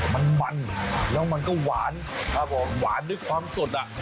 มันมันแล้วมันก็หวานหวานด้วยความสด